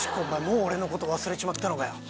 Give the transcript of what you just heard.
もう俺のこと忘れちまったのかよ。